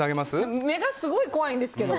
目がすごい怖いんですけど。